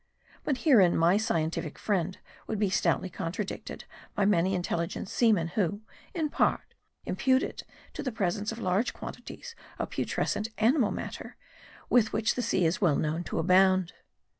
But herein, my scientific friend would be stoutly con tradicted by many intelligent seamen, who, in part, impute it to the presence of large quantities of putrescent animal mat ter, with which the sea is well known to abound.